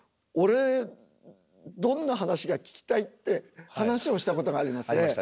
俺どんな噺が聴きたい？」って話をしたことがありますね。